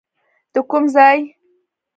د کوم ځای؟